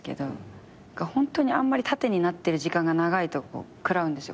ホントにあんまり縦になってる時間が長いと食らうんですよ